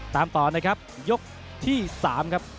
ตามต่อนะครับยกที่๓ครับ